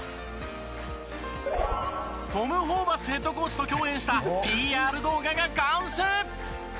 トム・ホーバスヘッドコーチと共演したＰＲ動画が完成！